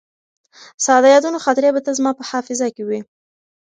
ستا د یادونو خاطرې به تل زما په حافظه کې وي.